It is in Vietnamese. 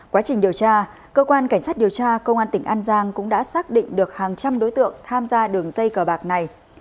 quá trình điều tra cơ quan cảnh sát điều tra công an tỉnh an giang cũng đã xác định được hàng trăm đối tượng tham gia đường dây cờ bạc này